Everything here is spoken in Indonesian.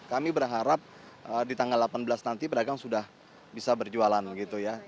kami berharap di tanggal delapan belas nanti pedagang sudah bisa berjualan gitu ya